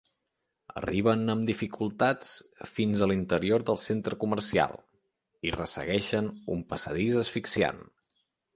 Arriben amb dificultats fins a l'interior del centre comercial i ressegueixen un passadís asfixiant.